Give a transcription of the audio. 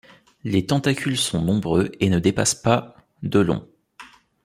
Les tentacules sont nombreux et ne dépassent pas de long.